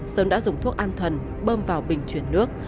sơn đã dùng thuốc an thần bơm vào bình chuyển nước